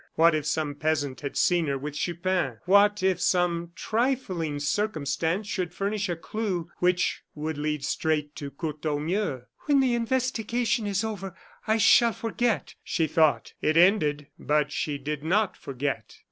What if some peasant had seen her with Chupin? What if some trifling circumstance should furnish a clew which would lead straight to Courtornieu? "When the investigation is over, I shall forget," she thought. It ended, but she did not forget.